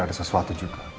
ada sesuatu juga